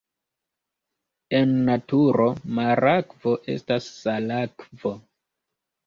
En naturo marakvo estas salakvo.